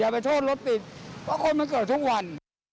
เพราะคนมันเกิดทุกวัน